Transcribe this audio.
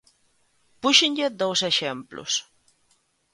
Púxenlle dous exemplos.